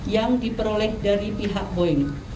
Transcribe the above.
yang diperoleh dari pihak boeing